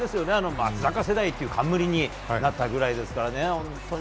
松坂世代という冠になったぐらいですからね。